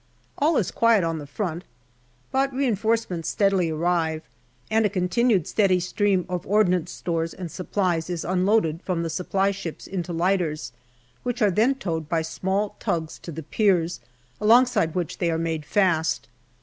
All is quiet on the front. But reinforcements steadily arrive, and a continued steady stream of ordnance stores and supplies is un loaded from the Supply ships into lighters, which are then towed by small tugs to the piers, alongside which they are made fast.